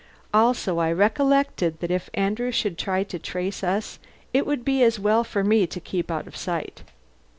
Also I recollected that if Andrew should try to trace us it would be as well for me to keep out of sight.